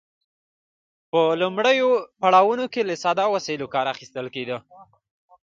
په لومړیو پړاوونو کې له ساده وسایلو کار اخیستل کیده.